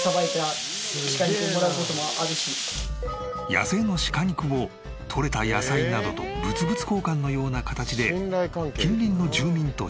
野生の鹿肉をとれた野菜などと物々交換のような形で近隣の住民とシェア。